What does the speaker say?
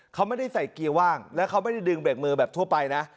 เขาไม่ได้ใส่เกียร์ว่างแล้วเขาไม่ได้ดึงเบรกมือแบบทั่วไปนะ